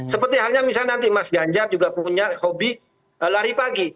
seperti halnya misalnya nanti mas ganjar juga punya hobi lari pagi